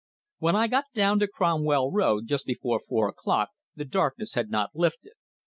When I got down to Cromwell Road just before four o'clock, the darkness had not lifted.